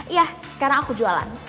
iya sekarang aku jualan